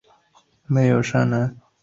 设有栅栏式月台幕门。